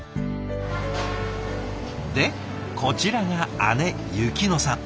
でこちらが姉ゆき乃さん。